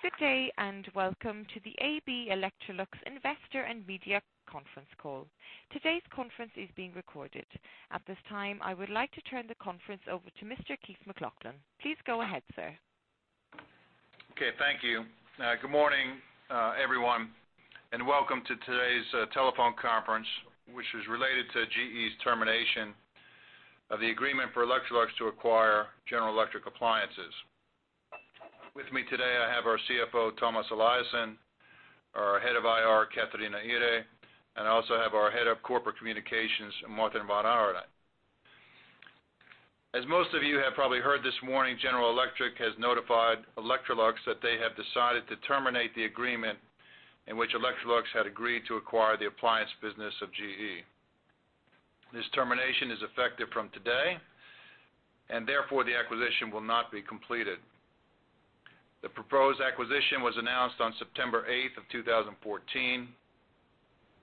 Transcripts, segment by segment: Good day. Welcome to the AB Electrolux Investor and Media Conference Call. Today's conference is being recorded. At this time, I would like to turn the conference over to Mr. Keith McLoughlin. Please go ahead, sir. Okay, thank you. Good morning, everyone, and welcome to today's telephone conference, which is related to GE's termination of the agreement for Electrolux to acquire General Electric Appliances. With me today, I have our Chief Financial Officer, Tomas Eliasson, our Head of Investor Relations, Catarina Ihre, and I also have our Head of Corporate Communications, Martin von Arronet. As most of you have probably heard this morning, General Electric has notified Electrolux that they have decided to terminate the agreement in which Electrolux had agreed to acquire the appliance business of GE. This termination is effective from today, therefore, the acquisition will not be completed. The proposed acquisition was announced on September 8, 2014.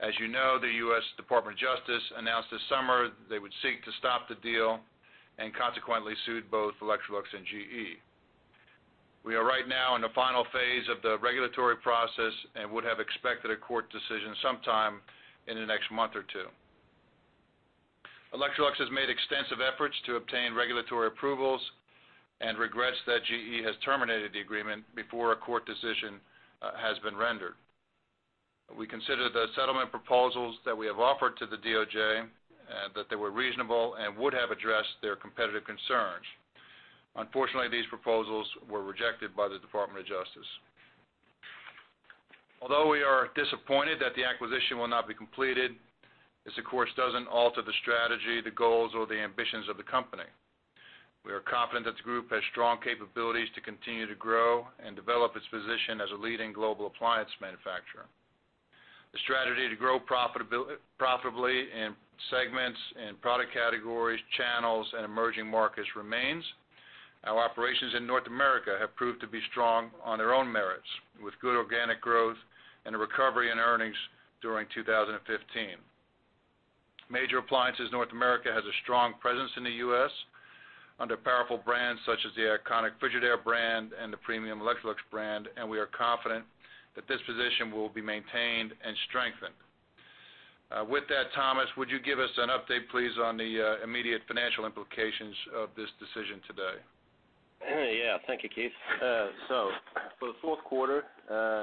As you know, the U.S. Department of Justice announced this summer that they would seek to stop the deal and consequently sued both Electrolux and GE. We are right now in the final phase of the regulatory process and would have expected a court decision sometime in the next month or two. Electrolux has made extensive efforts to obtain regulatory approvals and regrets that GE has terminated the agreement before a court decision has been rendered. We consider the settlement proposals that we have offered to the DOJ that they were reasonable and would have addressed their competitive concerns. Unfortunately, these proposals were rejected by the Department of Justice. Although we are disappointed that the acquisition will not be completed, this, of course, doesn't alter the strategy, the goals, or the ambitions of the company. We are confident that the group has strong capabilities to continue to grow and develop its position as a leading global appliance manufacturer. The strategy to grow profitably in segments, in product categories, channels, and emerging markets remains. Our operations in North America have proved to be strong on their own merits, with good organic growth and a recovery in earnings during 2015. Major Appliances North America has a strong presence in the U.S. under powerful brands such as the iconic Frigidaire brand and the premium Electrolux brand, and we are confident that this position will be maintained and strengthened. With that, Tomas, would you give us an update, please, on the immediate financial implications of this decision today? Thank you, Keith. For the fourth quarter,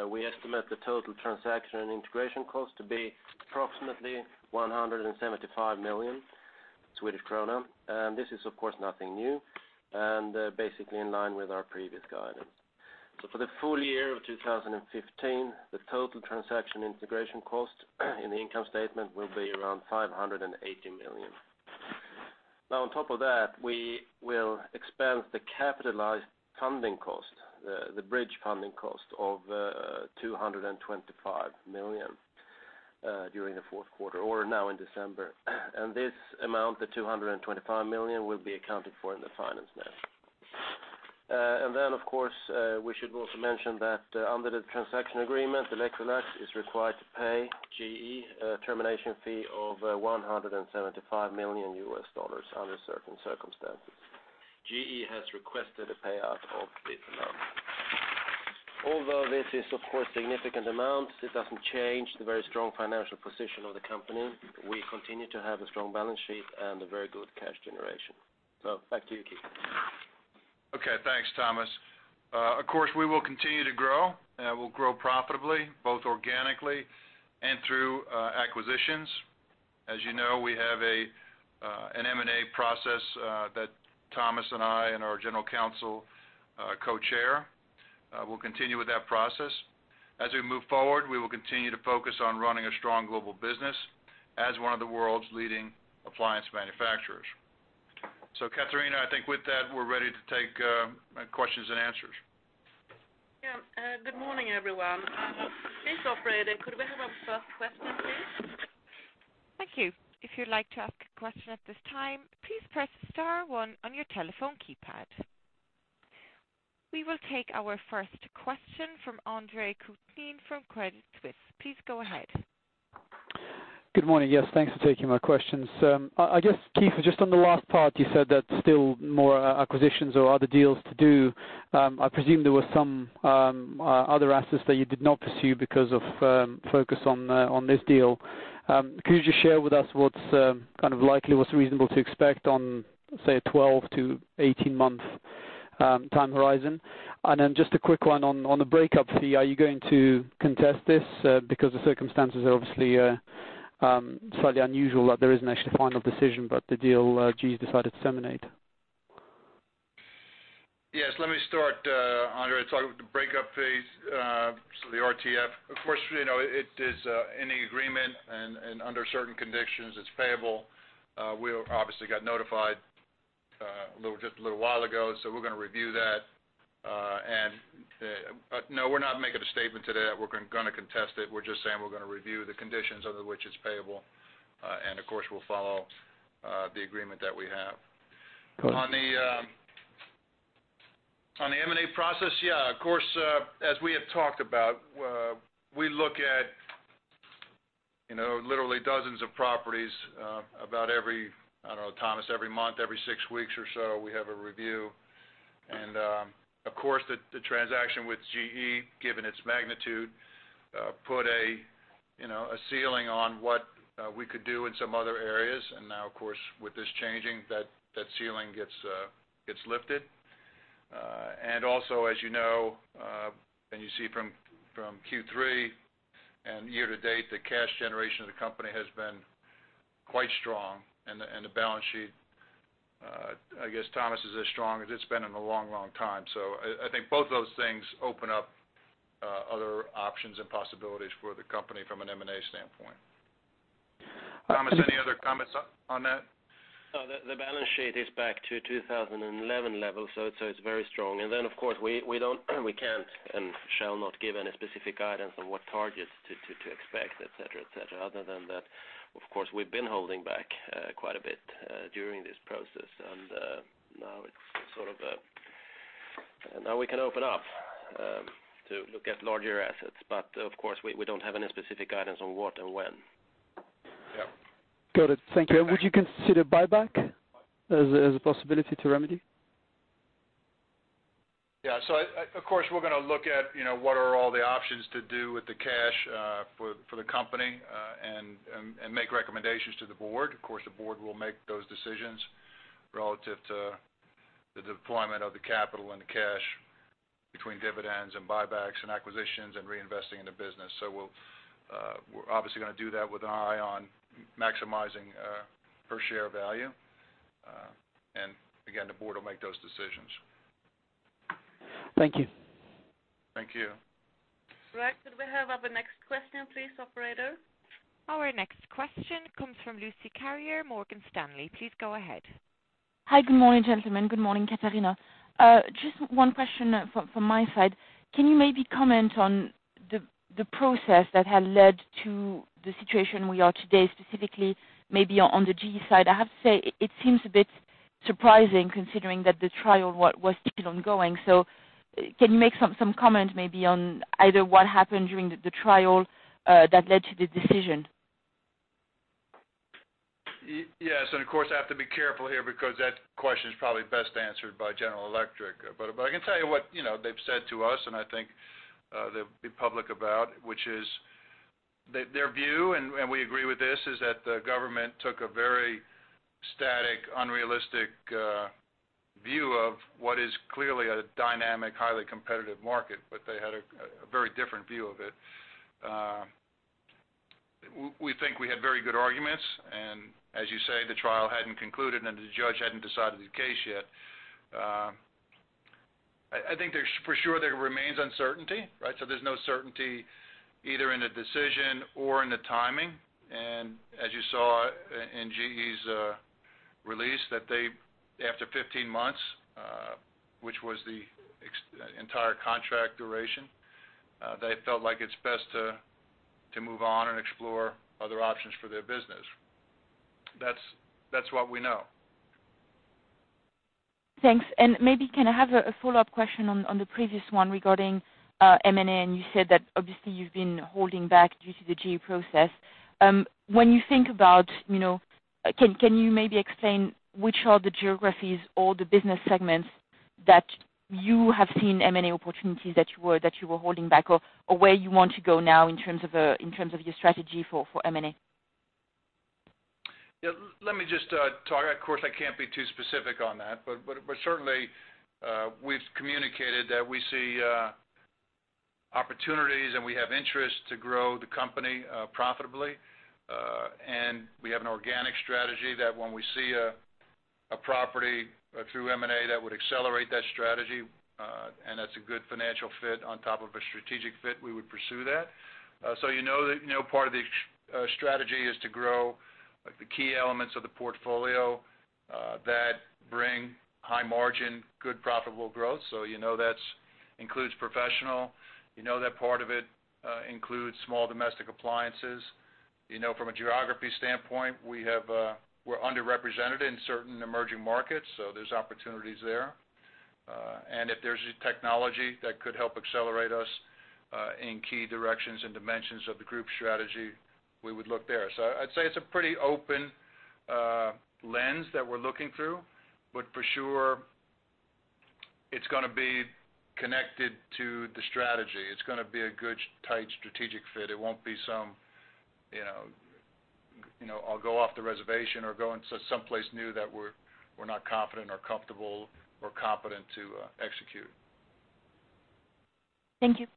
we estimate the total transaction and integration cost to be approximately 175 million Swedish krona. This is, of course, nothing new and basically in line with our previous guidance. For the full year of 2015, the total transaction integration cost, in the income statement will be around 580 million. Now, on top of that, we will expense the capitalized funding cost, the bridge funding cost of 225 million during the fourth quarter or now in December. This amount, the 225 million, will be accounted for in the finance net. Of course, we should also mention that, under the transaction agreement, Electrolux is required to pay GE a termination fee of $175 million under certain circumstances. GE has requested a payout of this amount. Although this is, of course, significant amount, it doesn't change the very strong financial position of the company. We continue to have a strong balance sheet and a very good cash generation. Back to you, Keith. Okay. Thanks, Tomas. Of course, we will continue to grow, and we'll grow profitably, both organically and through acquisitions. As you know, we have an M&A process that Tomas and I and our general counsel co-chair. We'll continue with that process. As we move forward, we will continue to focus on running a strong global business as one of the world's leading appliance manufacturers. Catarina, I think with that, we're ready to take questions and answers. Yeah, good morning, everyone. Please, operator, could we have our first question, please? Thank you. If you'd like to ask a question at this time, please press star one on your telephone keypad. We will take our first question from Andreas Kukhnin from Credit Suisse. Please go ahead. Good morning. Yes, thanks for taking my questions. I guess, Keith, just on the last part, you said that still more acquisitions or other deals to do. I presume there were some other assets that you did not pursue because of focus on this deal. Could you just share with us what's kind of likely, what's reasonable to expect on, say, a 12-18 month time horizon? Just a quick one on the breakup fee. Are you going to contest this? Because the circumstances are obviously slightly unusual, that there isn't actually a final decision, but the deal, GE's decided to terminate. Let me start, Andre, talk about the breakup fees, so the RTF. You know, it is in the agreement and under certain conditions, it's payable. We obviously got notified just a little while ago, we're going to review that. No, we're not making a statement today that we're gonna contest it. We're just saying we're going to review the conditions under which it's payable. Of course, we'll follow the agreement that we have. Got it. On the M&A process, yeah, of course, as we have talked about, we look at you know, literally dozens of properties, about every, I don't know, Tomas, every month, every six weeks or so, we have a review. Of course, the transaction with GE, given its magnitude, put a, you know, a ceiling on what we could do in some other areas. Now, of course, with this changing, that ceiling gets lifted. Also, as you know, and you see from Q3 and year to date, the cash generation of the company has been quite strong, and the balance sheet, I guess, Tomas, is as strong as it's been in a long, long time. I think both those things open up other options and possibilities for the company from an M&A standpoint. Tomas, any other comments on that? No, the balance sheet is back to 2011 level, so it's very strong. Of course, we don't, we can't and shall not give any specific guidance on what targets to expect, et cetera, et cetera, other than that. Of course, we've been holding back quite a bit during this process, and now it's sort of now we can open up to look at larger assets. Of course, we don't have any specific guidance on what and when. Yeah. Got it. Thank you. Would you consider buyback as a possibility to remedy? Of course, we're gonna look at, you know, what are all the options to do with the cash for the company and make recommendations to the board. Of course, the board will make those decisions relative to the deployment of the capital and the cash between dividends and buybacks and acquisitions and reinvesting in the business. We'll obviously gonna do that with an eye on maximizing per share value. Again, the board will make those decisions. Thank you. Thank you. Right. Could we have our next question please, operator? Our next question comes from Lucie Carrier, Morgan Stanley. Please go ahead. Hi, good morning, gentlemen. Good morning, Catarina. Just one question from my side. Can you maybe comment on the process that had led to the situation we are today, specifically maybe on the GE side? I have to say, it seems a bit surprising, considering that the trial was still ongoing. Can you make some comment maybe on either what happened during the trial that led to the decision? yes, Of course, I have to be careful here because that question is probably best answered by General Electric. I can tell you what, you know, they've said to us, and I think, they'll be public about, which is their view, and we agree with this, is that the government took a very static, unrealistic, view of what is clearly a dynamic, highly competitive market, but they had a very different view of it. We think we had very good arguments, and as you say, the trial hadn't concluded, and the judge hadn't decided the case yet. I think for sure, there remains uncertainty, right? There's no certainty either in the decision or in the timing. As you saw in GE's release, that they, after 15 months, which was the entire contract duration, they felt like it's best to move on and explore other options for their business. That's what we know. Thanks. Maybe can I have a follow-up question on the previous one regarding M&A? You said that obviously you've been holding back due to the GE process. When you think about, you know, can you maybe explain which are the geographies or the business segments that you have seen M&A opportunities that you were holding back, or where you want to go now in terms of your strategy for M&A? Yeah, let me just talk. Of course, I can't be too specific on that, but certainly, we've communicated that we see opportunities, and we have interest to grow the company profitably. We have an organic strategy that when we see a property through M&A that would accelerate that strategy, and that's a good financial fit on top of a strategic fit, we would pursue that. You know that, you know, part of the strategy is to grow the key elements of the portfolio that bring high margin, good profitable growth. You know that's includes professional, you know that part of it, includes small domestic appliances. You know, from a geography standpoint, we have, we're underrepresented in certain emerging markets, so there's opportunities there. If there's a technology that could help accelerate us in key directions and dimensions of the group strategy, we would look there. I'd say it's a pretty open lens that we're looking through. For sure, it's gonna be connected to the strategy. It's gonna be a good, tight, strategic fit. It won't be some, you know, I'll go off the reservation or go into someplace new that we're not confident or comfortable or competent to execute. Thank you.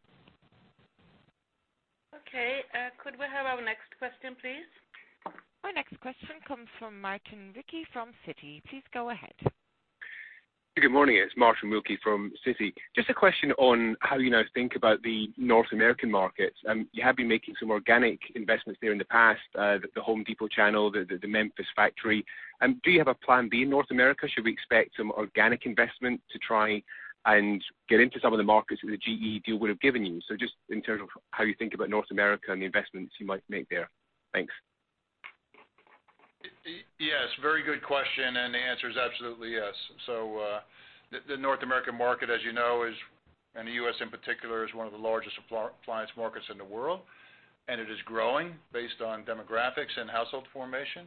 Okay, could we have our next question, please? Our next question comes from Martin Wilkie from Citi. Please go ahead. Good morning, it's Martin Wilkie from Citi. Just a question on how you now think about the North American markets. You have been making some organic investments there in the past, The Home Depot channel, the Memphis factory. Do you have a plan B in North America? Should we expect some organic investment to try and get into some of the markets that the GE deal would have given you? Just in terms of how you think about North America and the investments you might make there. Thanks. Good question. The answer is absolutely yes. The North American market, as you know, is, and the U.S. in particular, is one of the largest appliance markets in the world. It is growing based on demographics and household formation.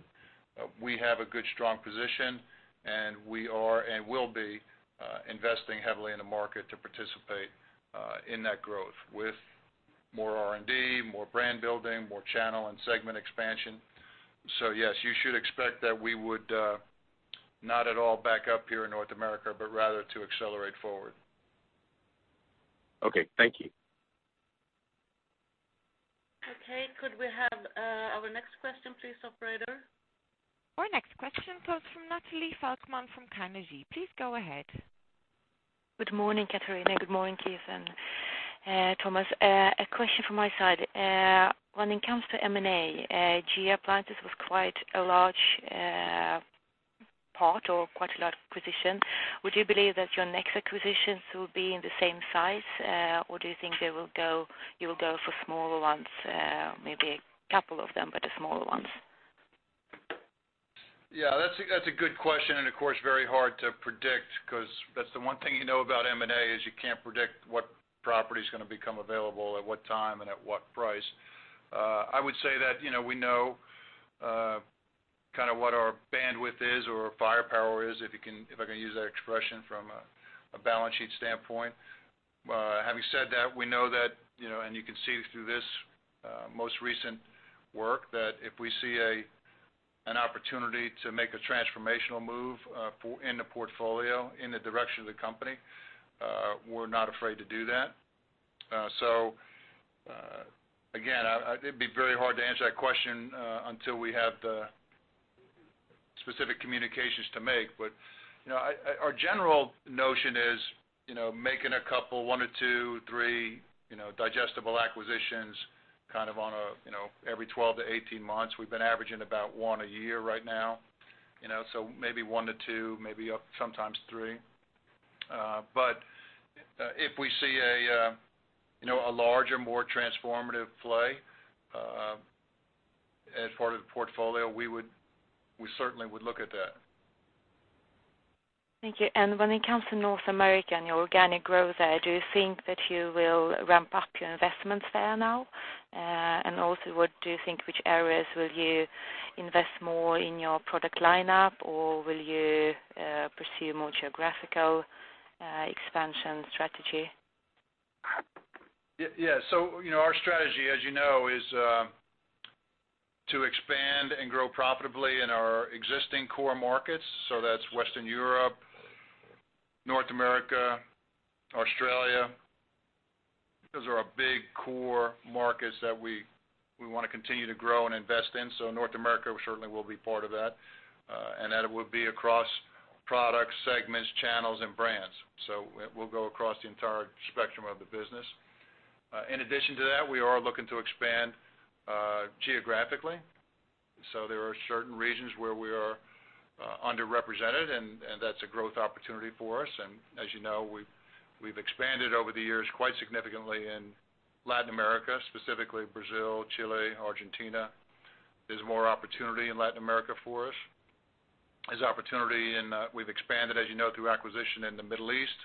We have a good, strong position, and we are and will be investing heavily in the market to participate in that growth with more R&D, more brand building, more channel and segment expansion. Yes, you should expect that we would not at all back up here in North America, but rather to accelerate forward. Okay, thank you. Okay. Could we have, our next question, please, operator? Our next question comes from Natalia Mamaeva from Carnegie. Please go ahead. Good morning, Catarina. Good morning, Keith and Tomas. A question from my side. When it comes to M&A, GE Appliances was quite a large part or quite a large acquisition. Would you believe that your next acquisitions will be in the same size? Or do you think you will go for smaller ones, maybe a couple of them, but the smaller ones? Yeah, that's a, that's a good question, and of course, very hard to predict, 'cause that's the one thing you know about M&A, is you can't predict what property is gonna become available at what time and at what price. I would say that, you know, we know, kind of what our bandwidth is or firepower is, if I can use that expression from a balance sheet standpoint. Having said that, we know that, you know, and you can see through this, most recent work, that if we see an opportunity to make a transformational move, for in the portfolio, in the direction of the company, we're not afraid to do that. Again, It'd be very hard to answer that question, until we have the specific communications to make. You know, I, our general notion is, you know, making a couple, one to two, three, you know, digestible acquisitions, kind of on a, you know, every 12 to 18 months. We've been averaging about one a year right now, you know, so maybe one to two, maybe up, sometimes three. If we see a, you know, a larger, more transformative play, as part of the portfolio, we certainly would look at that. Thank you. When it comes to North America and your organic growth there, do you think that you will ramp up your investments there now, and also, what do you think, which areas will you invest more in your product lineup, or will you pursue more geographical expansion strategy? Yeah. You know, our strategy, as you know, is to expand and grow profitably in our existing core markets. That's Western Europe, North America, Australia. Those are our big core markets that we wanna continue to grow and invest in. North America certainly will be part of that, and that it would be across products, segments, channels, and brands. We'll go across the entire spectrum of the business. In addition to that, we are looking to expand geographically. There are certain regions where we are underrepresented, and that's a growth opportunity for us. As you know, we've expanded over the years quite significantly in Latin America, specifically Brazil, Chile, Argentina. There's more opportunity in Latin America for us. There's opportunity in, we've expanded, as you know, through acquisition in the Middle East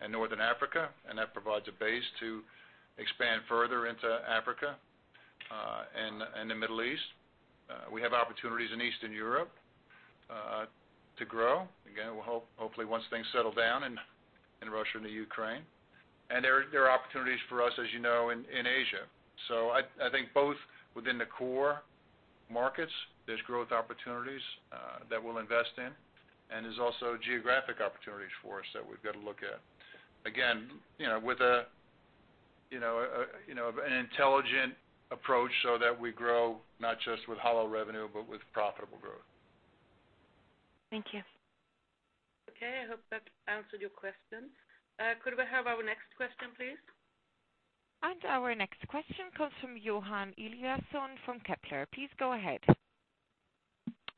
and Northern Africa, and that provides a base to expand further into Africa and the Middle East. We have opportunities in Eastern Europe to grow. Again, we'll hopefully once things settle down in Russia and the Ukraine. There are opportunities for us, as you know, in Asia. I think both within the core markets, there's growth opportunities that we'll invest in, and there's also geographic opportunities for us that we've got to look at. Again, you know, with an intelligent approach so that we grow not just with hollow revenue, but with profitable growth. Thank you. I hope that answered your questions. Could we have our next question, please? Our next question comes from Johan Eliason from Kepler. Please go ahead.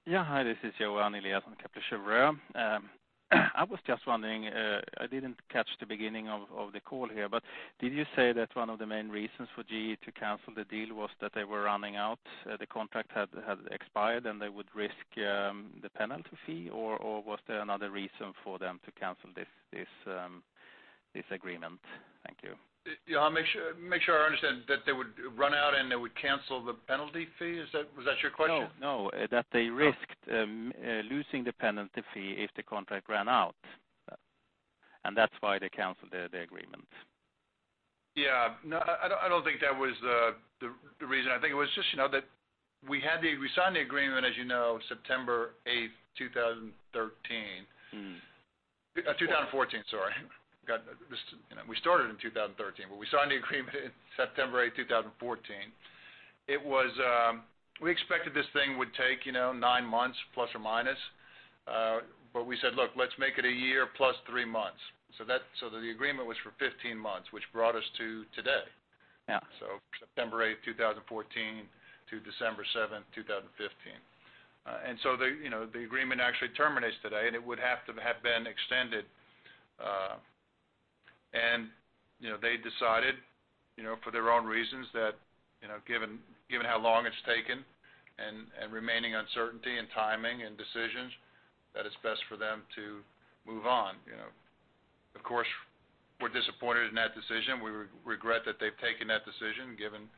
Yeah, hi, this is Johan Eliason, Kepler Cheuvreux. I was just wondering, I didn't catch the beginning of the call here, but did you say that one of the main reasons for GE to cancel the deal was that they were running out, the contract had expired, and they would risk the penalty fee? Was there another reason for them to cancel this agreement? Thank you. Johan, make sure I understand, that they would run out, and they would cancel the penalty fee. Is that, was that your question? No, no, that they risked-. Oh. Losing the penalty fee if the contract ran out, that's why they canceled the agreement. Yeah. No, I don't, I don't think that was the, the reason. I think it was just, you know, we signed the agreement, as you know, September eighth, two thousand and thirteen. Mm-hmm. 2014, sorry. Got this, you know. We started in 2013, but we signed the agreement in September 8, 2014. It was, we expected this thing would take, you know, 9 months±. We said: Look, let's make it a year plus 3 months. The agreement was for 15 months, which brought us to today. Yeah. September 8, 2014 to December 7, 2015. The, you know, the agreement actually terminates today, and it would have to have been extended. You know, they decided, you know, for their own reasons that, you know, given how long it's taken and remaining uncertainty and timing and decisions, that it's best for them to move on, you know. Of course, we're disappointed in that decision. We regret that they've taken that decision, given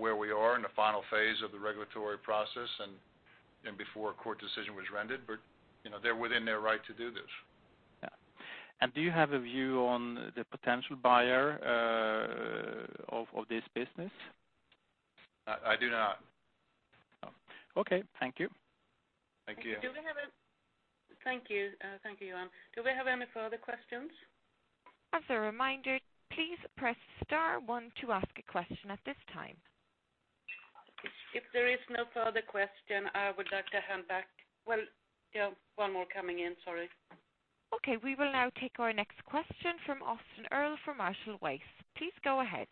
where we are in the final phase of the regulatory process and before a court decision was rendered. They're within their right to do this. Yeah. Do you have a view on the potential buyer of this business? I do not. Oh, okay. Thank you. Thank you. Do we have a-- thank you, thank you, Johan. Do we have any further questions? As a reminder, please press star one to ask a question at this time. If there is no further question, I would like to hand back-- Well, yeah, one more coming in. Sorry. Okay, we will now take our next question from Austin Earl from Marshall Wace. Please go ahead.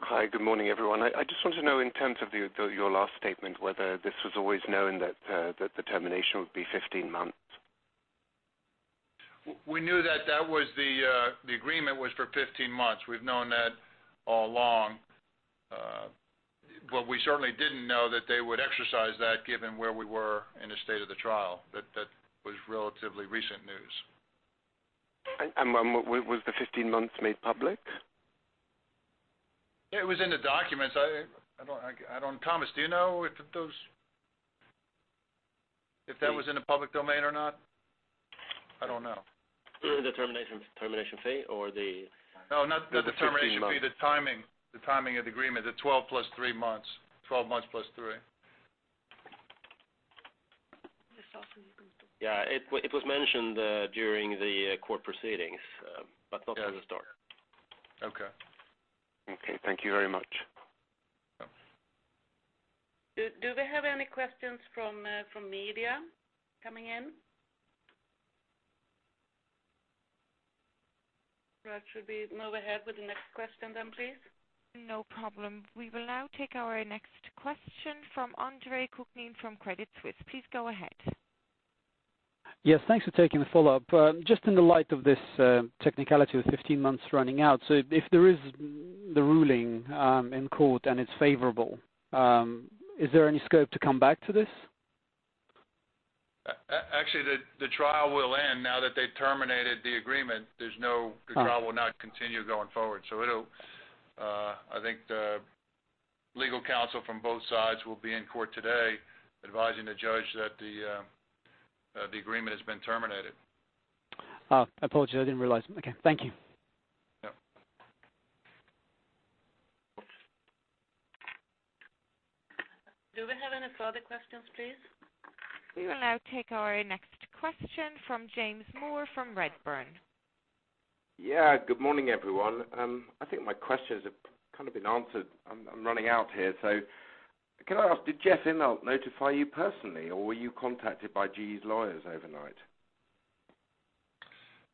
Hi, good morning, everyone. I just want to know in terms of the, of your last statement, whether this was always known that the termination would be 15 months? We knew that that was the agreement was for 15 months. We've known that all along. What we certainly didn't know that they would exercise that, given where we were in the state of the trial, that was relatively recent news. When was the 15 months made public? It was in the documents. I don't Tomas, do you know if those, if that was in the public domain or not? I don't know. The termination fee. No, not the termination fee... The 15 months. the timing, the timing of the agreement, the 12 plus 3 months. 12 months plus three. Yes, Austin, you can still. It was mentioned during the court proceedings, but not as a start. Okay. Okay. Thank you very much. Yeah. Do we have any questions from media coming in? Well, should we move ahead with the next question then, please? No problem. We will now take our next question from Andre Kukhnin from Credit Suisse. Please go ahead. Yes, thanks for taking the follow-up. Just in the light of this, technicality of 15 months running out, if there is the ruling, in court and it's favorable, is there any scope to come back to this? Actually, the trial will end now that they've terminated the agreement. Oh. The trial will not continue going forward. It'll, I think the legal counsel from both sides will be in court today, advising the judge that the agreement has been terminated. Oh, I apologize. I didn't realize. Okay, thank you. Yep. Do we have any further questions, please? We will now take our next question from James Moore, from Redburn. Good morning, everyone. I think my questions have kind of been answered. I'm running out here, so can I ask, did Jeff Immelt notify you personally, or were you contacted by GE's lawyers overnight?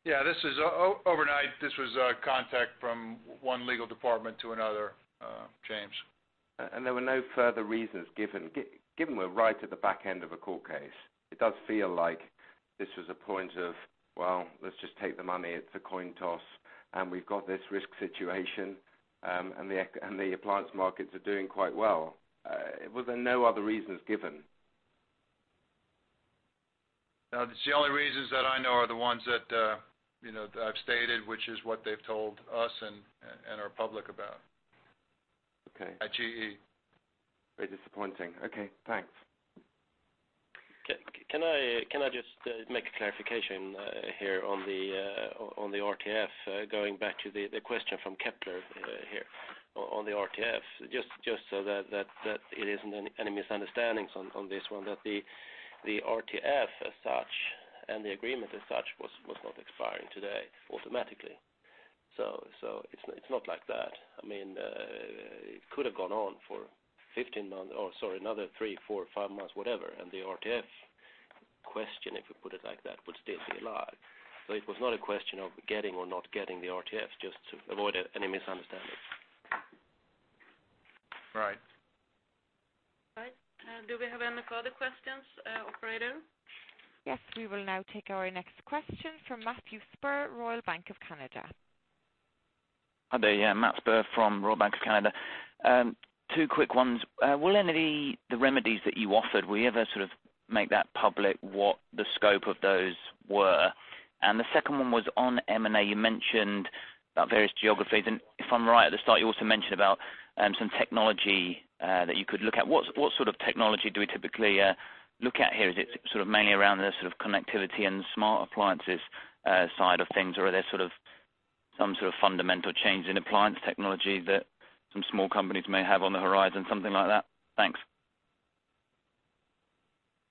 Yeah, this is overnight, this was a contact from one legal department to another, James. There were no further reasons given. Given we're right at the back end of a court case, it does feel like this was a point of, well, let's just take the money, it's a coin toss, and we've got this risk situation, and the appliance markets are doing quite well. Were there no other reasons given? No, the only reasons that I know are the ones that, you know, I've stated, which is what they've told us and are public about. Okay. At GE. Very disappointing. Okay, thanks. Can I just make a clarification here on the RTF? Going back to the question from Kepler here on the RTF, just so that it isn't any misunderstandings on this one, that the RTF as such, and the agreement as such, was not expiring today automatically. It's not like that. I mean, it could have gone on for 15 months, or sorry, another three, four, five months, whatever, and the RTF question, if you put it like that, would still be alive. It was not a question of getting or not getting the RTF, just to avoid any misunderstandings. Right. Right. Do we have any further questions, operator? Yes, we will now take our next question from Matthew Spurr, Royal Bank of Canada. Hi there, Matt Spur from Royal Bank of Canada. Two quick ones. Will any of the remedies that you offered, will you ever sort of make that public, what the scope of those were? The second one was on M&A, you mentioned about various geographies, and if I'm right at the start, you also mentioned about some technology that you could look at. What sort of technology do we typically look at here? Is it sort of mainly around the sort of connectivity and smart appliances side of things, or are there sort of some sort of fundamental change in appliance technology that some small companies may have on the horizon, something like that? Thanks.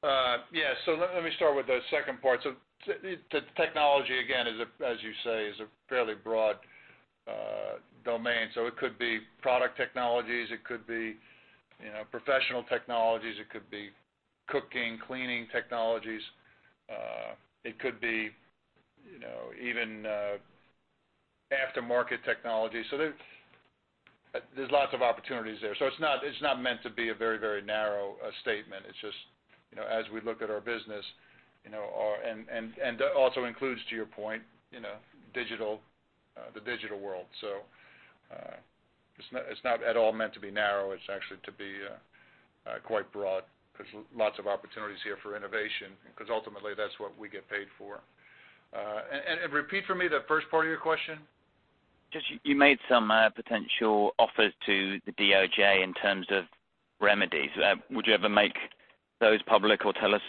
Yeah. Let me start with the second part. The technology, again, is a, as you say, is a fairly broad domain. It could be product technologies, it could be, you know, professional technologies, it could be cooking, cleaning technologies, it could be, you know, even aftermarket technology. There's lots of opportunities there. It's not, it's not meant to be a very, very narrow statement. It's just, you know, as we look at our business, you know, and, and that also includes, to your point, you know, digital, the digital world. It's not, it's not at all meant to be narrow. It's actually to be quite broad, 'cause lots of opportunities here for innovation, 'cause ultimately, that's what we get paid for. Repeat for me the first part of your question? You made some potential offers to the DOJ in terms of remedies. Would you ever make those public, or tell us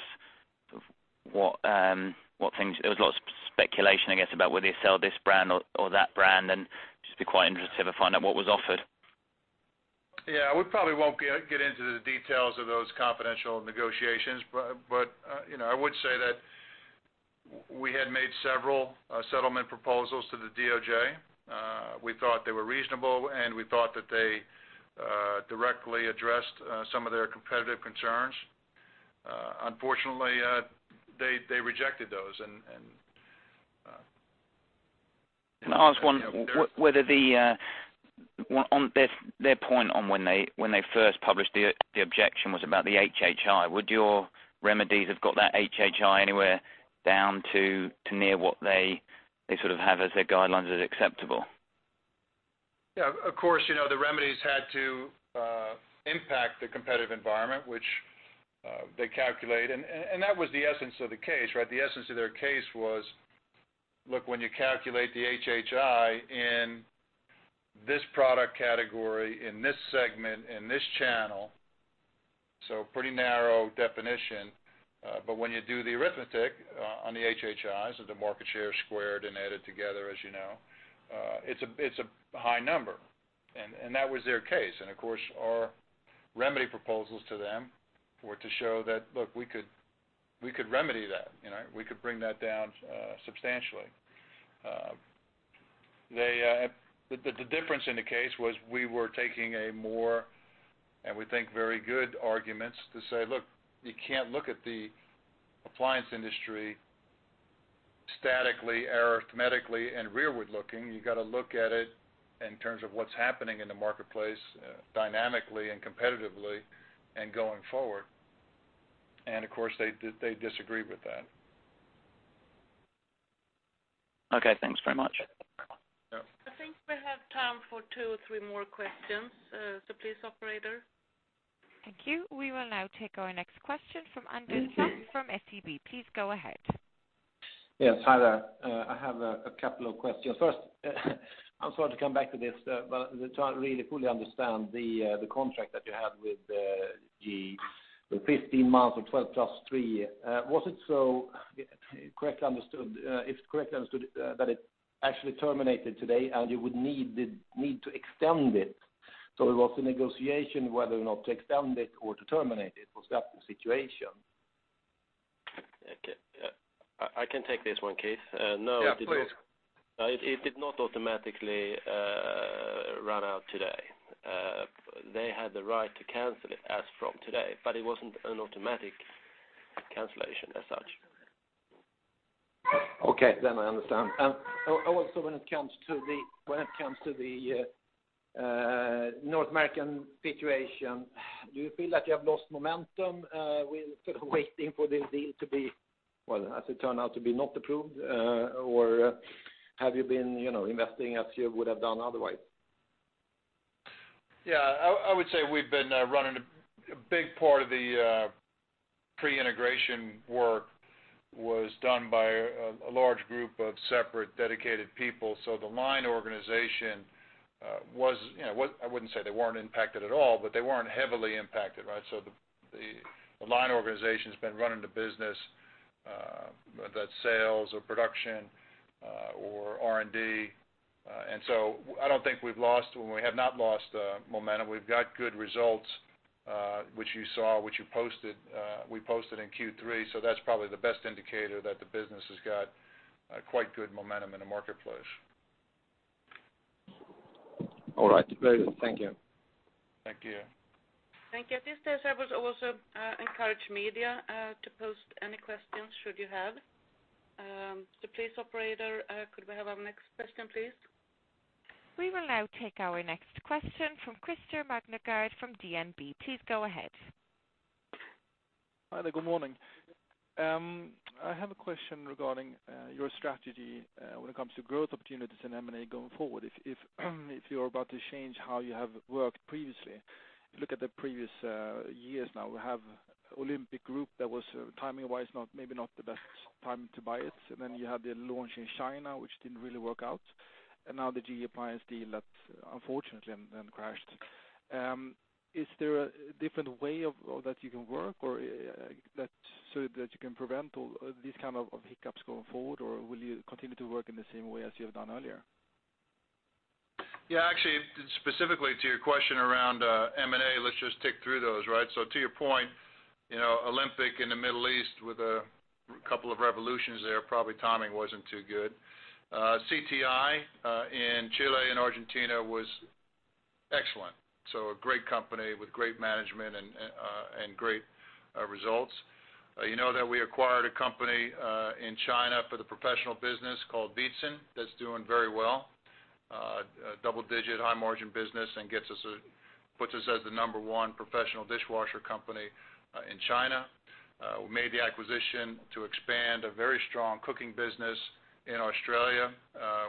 what? There was a lot of speculation, I guess, about whether you sell this brand or that brand, and just be quite interested to find out what was offered. We probably won't get into the details of those confidential negotiations. you know, I would say that we had made several settlement proposals to the DOJ. We thought they were reasonable, and we thought that they directly addressed some of their competitive concerns. Unfortunately, they rejected those. Can I ask? Yeah whether on their point on when they first published the objection was about the HHI. Would your remedies have got that HHI anywhere down to near what they sort of have as their guidelines as acceptable? Yeah, of course, you know, the remedies had to impact the competitive environment, which they calculate. That was the essence of the case, right? The essence of their case was, look, when you calculate the HHI in this product category, in this segment, in this channel, so pretty narrow definition. But when you do the arithmetic on the HHI, so the market share squared and added together, as you know, it's a high number, and that was their case. Of course, our remedy proposals to them were to show that, look, we could remedy that, you know? We could bring that down substantially. They, the difference in the case was we were taking a more, and we think, very good arguments to say: Look, you can't look at the appliance industry statically, arithmetically, and rearward-looking. You've got to look at it in terms of what's happening in the marketplace, dynamically and competitively and going forward. Of course, they disagreed with that. Okay, thanks very much. Yeah. I think we have time for two or three more questions. Please, operator. Thank you. We will now take our next question from Andreas Lundberg from SEB. Please go ahead. Yes, hi there. I have a couple of questions. First, I'm sorry to come back to this, to try to really fully understand the contract that you had with GE, the 15 months or 12 plus 3. Was it so, correctly understood, if correctly understood, that it actually terminated today, and you would need the, need to extend it? It was a negotiation whether or not to extend it or to terminate it. Was that the situation? Okay, I can take this one, Keith. Yeah, please. It did not automatically run out today. They had the right to cancel it as from today, but it wasn't an automatic cancellation as such. Okay, I understand. When it comes to the North American situation, do you feel like you have lost momentum with sort of waiting for this deal to be, well, as it turned out, to be not approved? Or have you been, you know, investing as you would have done otherwise? Yeah, I would say we've been running a big part of the pre-integration work was done by a large group of separate, dedicated people. The line organization, was, you know, I wouldn't say they weren't impacted at all, but they weren't heavily impacted, right? The line organization's been running the business, whether that's sales or production, or R&D. I don't think we've lost, well, we have not lost momentum. We've got good results, which you saw, which you posted, we posted in Q3, that's probably the best indicator that the business has got a quite good momentum in the marketplace. All right. Great. Thank you. Thank you. Thank you. At this stage, I would also encourage media to pose any questions should you have. Please, operator, could we have our next question, please? We will now take our next question from Christer Magnergård from DNB. Please go ahead. Hi there, good morning. I have a question regarding your strategy when it comes to growth opportunities in M&A going forward. If you're about to change how you have worked previously, look at the previous years now. We have Olympic Group that was, timing-wise, not, maybe not the best time to buy it. Then you had the launch in China, which didn't really work out. Now the GE Appliance deal that unfortunately crashed. Is there a different way that you can work, or that, so that you can prevent all these kind of hiccups going forward, or will you continue to work in the same way as you have done earlier? Yeah, actually, specifically to your question around M&A, let's just tick through those, right? To your point, you know, Olympic in the Middle East with a couple of revolutions there, probably timing wasn't too good. CTI in Chile and Argentina was excellent. A great company with great management and great results. You know that we acquired a company in China for the professional business called Veetsan. That's doing very well. Double digit, high margin business and puts us as the number one professional dishwasher company in China. We made the acquisition to expand a very strong cooking business in Australia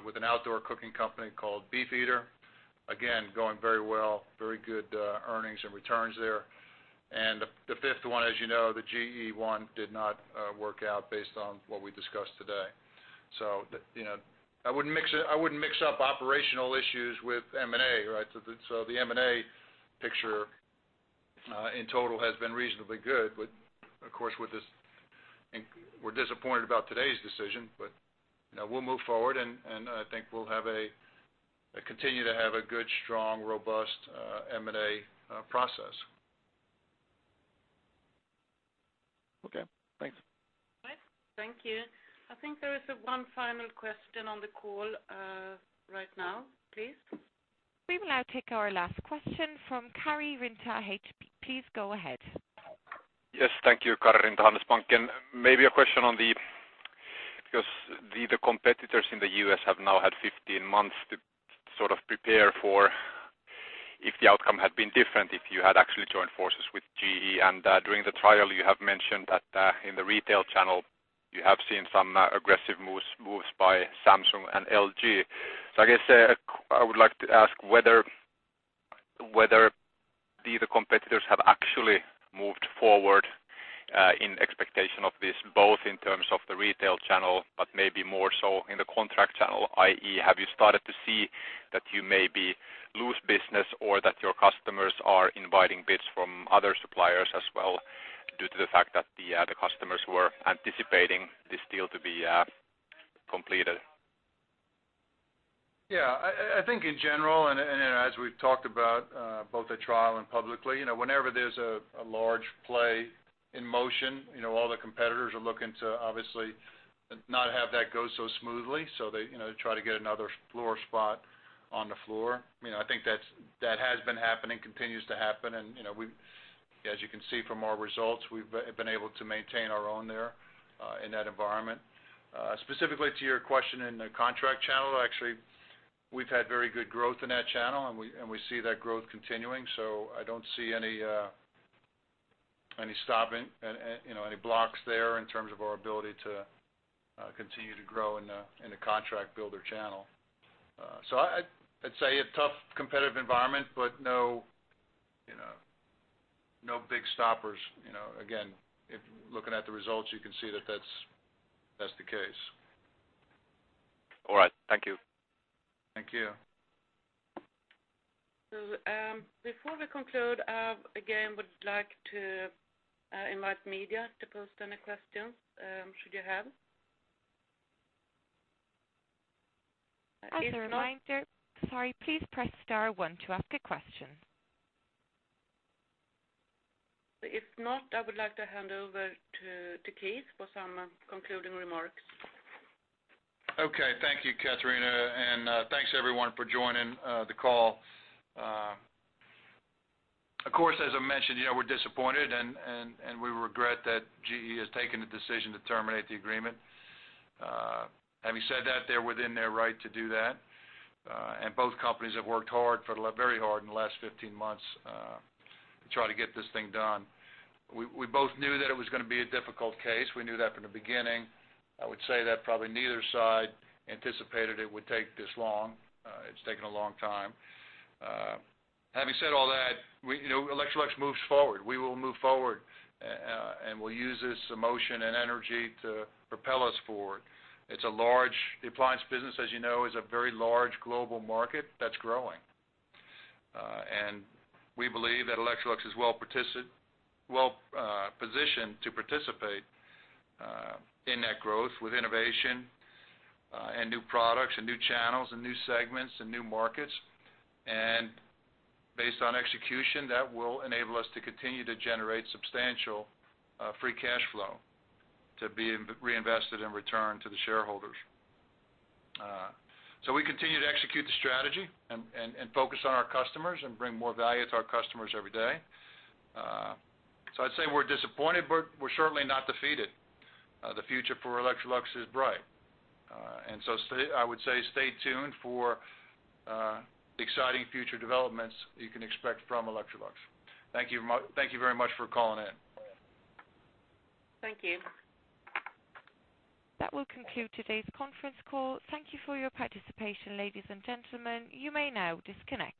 with an outdoor cooking company called BeefEater. Again, going very well, very good earnings and returns there. The, the fifth one, as you know, the GE one did not work out based on what we discussed today. The, you know, I wouldn't mix up operational issues with M&A, right? The, the M&A picture in total has been reasonably good. Of course, with this, and we're disappointed about today's decision, but, you know, we'll move forward, and I think we'll continue to have a good, strong, robust M&A process. Okay, thanks. All right, thank you. I think there is one final question on the call right now, please. We will now take our last question from Karri Rinta, Handelsbanken. Please go ahead. Yes, thank you, Karri Rinta, Handelsbanken. Maybe a question on the competitors in the U.S. have now had 15 months to sort of prepare for if the outcome had been different, if you had actually joined forces with GE. During the trial, you have mentioned that in the retail channel, you have seen some aggressive moves by Samsung and LG. I guess, I would like to ask whether the competitors have actually moved forward in expectation of this, both in terms of the retail channel, but maybe more so in the contract channel, i.e., have you started to see that you maybe lose business, or that your customers are inviting bids from other suppliers as well, due to the fact that the customers were anticipating this deal to be completed? Yeah, I think in general, and as we've talked about, both at trial and publicly, you know, whenever there's a large play in motion, you know, all the competitors are looking to obviously not have that go so smoothly. They, you know, try to get another floor spot on the floor. You know, I think that has been happening, continues to happen. You know, as you can see from our results, we've been able to maintain our own there, in that environment. Specifically to your question in the contract channel, actually, we've had very good growth in that channel, and we see that growth continuing. I don't see any stopping, you know, any blocks there in terms of our ability to continue to grow in the contract builder channel. I'd say a tough competitive environment, but no, you know, no big stoppers. You know, again, if looking at the results, you can see that that's the case. All right. Thank you. Thank you. Before we conclude, I, again, would like to invite media to post any questions, should you have. As a reminder, sorry, please press star one to ask a question. If not, I would like to hand over to Keith for some concluding remarks. Okay. Thank you, Catrina, thanks, everyone, for joining the call. Of course, as I mentioned, you know, we're disappointed and we regret that GE has taken the decision to terminate the agreement. Having said that, they're within their right to do that, and both companies have worked hard for the very hard in the last 15 months to try to get this thing done. We both knew that it was going to be a difficult case. We knew that from the beginning. I would say that probably neither side anticipated it would take this long. It's taken a long time. Having said all that, we, you know, Electrolux moves forward. We will move forward, and we'll use this emotion and energy to propel us forward. It's a large... The appliance business, as you know, is a very large global market that's growing. We believe that Electrolux is well positioned to participate in that growth with innovation, and new products and new channels and new segments and new markets. Based on execution, that will enable us to continue to generate substantial free cash flow to be reinvested in return to the shareholders. We continue to execute the strategy and focus on our customers and bring more value to our customers every day. I'd say we're disappointed, but we're certainly not defeated. The future for Electrolux is bright. I would say stay tuned for exciting future developments you can expect from Electrolux. Thank you very much for calling in. Thank you. That will conclude today's conference call. Thank Thank you for your participation, ladies and gentlemen. You may now disconnect.